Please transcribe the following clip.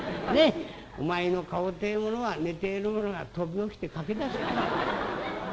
お前の顔ってえものは寝ている者が飛び起きて駆け出す顔だ』。